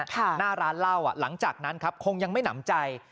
หน้าร้านเหล้าอ่ะหลังจากนั้นครับคงยังไม่หนำใจ